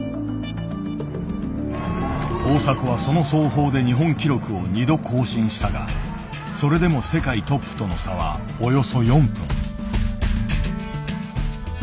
大迫はその走法で日本記録を２度更新したがそれでも世界トップとの差はおよそ４分。